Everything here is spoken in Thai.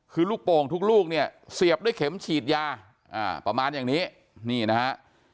คือลูกโป่งทุกลูกเนี่ยเสียบด้วยเข็มฉีดยาประมาณอย่างนี้นี่นะฮะ